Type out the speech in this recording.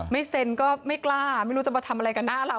ไม่เซ็นก็ไม่กล้าไม่รู้จะมาทำอะไรกับหน้าเรา